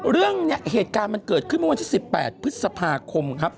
เหตุการณ์มันเกิดขึ้นเมื่อวันที่๑๘พฤษภาคมครับ